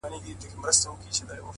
د ځان وژني د رسۍ خریدارۍ ته ولاړم.